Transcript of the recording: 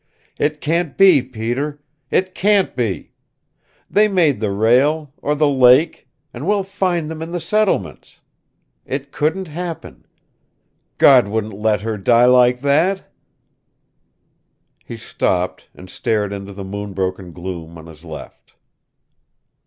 "It can't be, Peter. It can't be! They made the rail or the lake and we'll find them in the settlements. It couldn't happen. God wouldn't let her die like that!" He stopped, and stared into the moon broken gloom on his left.